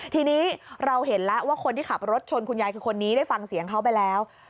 ทีนี้เราเห็นแล้วว่าคนที่ขับรถชนคุณยายคือคนนี้ได้ฟังเสียงเขาไปแล้ว